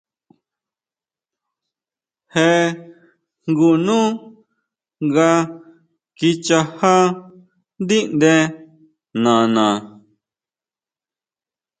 Je jngu nú nga kichajá ndíʼnde nana .